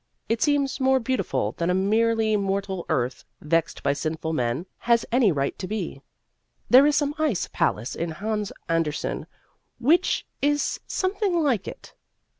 It seems more beautiful than a merely mortal earth vexed by sinful men has any right to be. There is some ice palace in Hans Andersen which is something like it.